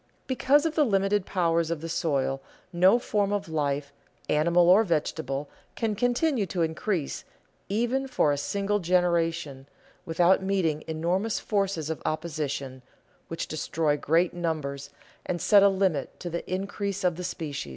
Because of the limited powers of the soil, no form of life, animal or vegetable, can continue to increase even for a single generation, without meeting enormous forces of opposition, which destroy great numbers and set a limit to the increase of the species.